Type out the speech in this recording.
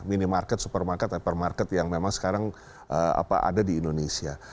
minimarket supermarket hypermarket yang memang sekarang ada di indonesia